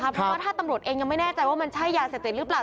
เพราะว่าถ้าตำรวจเองยังไม่แน่ใจว่ามันใช่ยาเสพติดหรือเปล่า